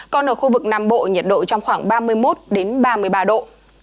còn ở khu vực nam bộ nhiệt độ trong khoảng ba mươi một ba mươi ba độ